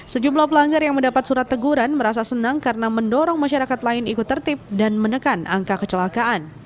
sejumlah pelanggar yang mendapat surat teguran merasa senang karena mendorong masyarakat lain ikut tertib dan menekan angka kecelakaan